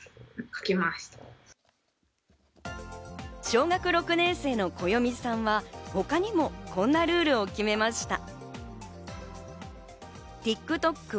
小学６年生のこよみさんは他にもこんなルールを決めました。